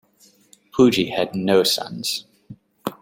Pujie had no sons.